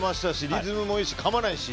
リズムもいいし、かまないし。